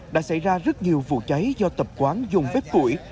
đã xảy ra rất nhiều vụ cháy do tập quán dùng bếp củi